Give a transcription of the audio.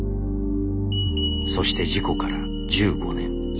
そして事故から１５年。